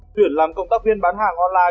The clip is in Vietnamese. tuyển làm công tác viên bán hàng online